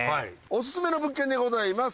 オススメの物件でございます。